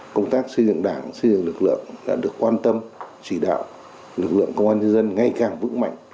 công tác xây dựng đảng xây dựng lực lượng đã được quan tâm chỉ đạo lực lượng công an nhân dân ngày càng vững mạnh